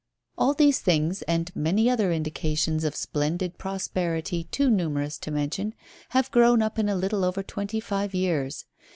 All these things, and many other indications of splendid prosperity too numerous to mention, have grown up in a little over twenty five years.